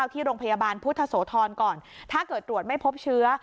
ที่โรงพยาบาลพุทธโสธรก่อนถ้าเกิดตรวจไม่พบเชื้อ